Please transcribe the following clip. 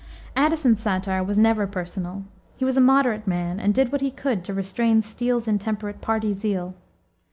Addison's satire was never personal. He was a moderate man, and did what he could to restrain Steele's intemperate party zeal.